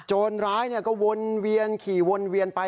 ร้ายก็วนเวียนขี่วนเวียนไป